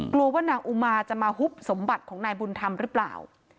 กลัวว่านางอุมาจะมาหุบสมบัติของนายบุญธรรมหรือเปล่า